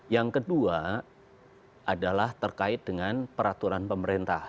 yang kedua adalah terkait dengan peraturan pemerintah